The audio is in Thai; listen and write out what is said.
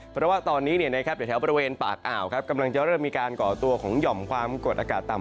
เพราะว่าตอนนี้แถวบริเวณปากอ่าวกำลังจะเริ่มมีการก่อตัวของหย่อมความกดอากาศต่ำ